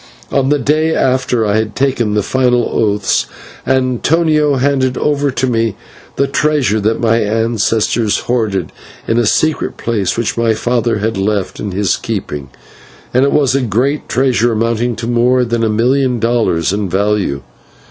On the day after I had taken the final oaths, Antonio handed over to me the treasure that my ancestors hoarded in a secret place, which my father had left in his keeping, and it was a great treasure, amounting to more than a million dollars in value.